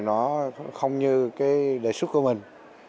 nó không như cái đề xuất của mình